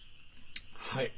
はい。